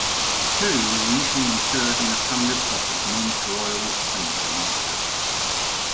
Currie was initially interred in a family plot at Mount Royal Cemetery in Montreal.